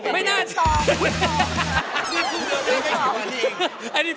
ไม่น่าทรง